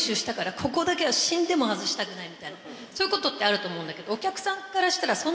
みたいなそういうことってあると思うんだけど。